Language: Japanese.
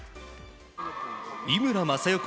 井村雅代